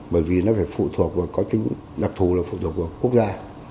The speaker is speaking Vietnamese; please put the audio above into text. bởi vì nó phải phụ thuộc vào có tính đặc thủ là phụ thuộc vào quốc gia